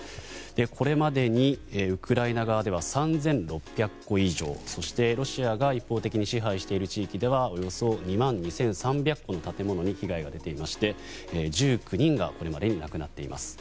これまでにウクライナ側では３６００戸以上そしてロシアが一方的に支配している地域ではおよそ２万２３００戸の建物に被害が出ていまして１９人がこれまでに亡くなっています。